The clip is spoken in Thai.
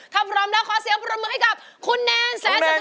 เก็บพร้อมล่ะขอเสียบรมือให้กับคุณแนนแสดงสาธารณ์